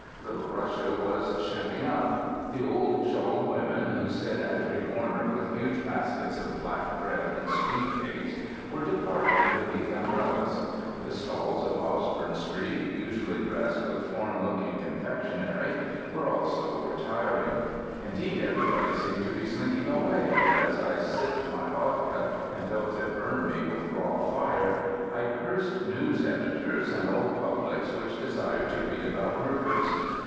Little Russia was shutting up. The old shawled women, who sit at every corner with huge baskets of black bread and sweet cakes, were departing beneath umbrellas. The stalls of Osborn Street, usually dressed with foreign looking confectionery, were also retiring. Indeed, everybody seemed to be slinking away, and as I sipped my vodka, and felt it burn me with raw fire, I cursed news editors and all publics which desired to read about murders.